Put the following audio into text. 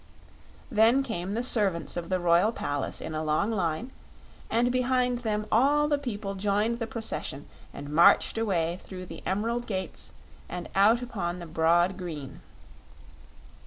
Then came the servants of the Royal Palace, in a long line, and behind them all the people joined the procession and marched away through the emerald gates and out upon the broad green.